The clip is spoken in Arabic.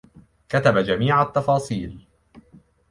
كتب جميع التفاصيل.